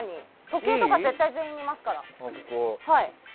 時計とか絶対に全員、見ますから。